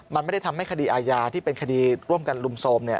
มันไม่ได้ทำให้คดีอาญาที่เป็นคดีร่วมกันลุมโทรม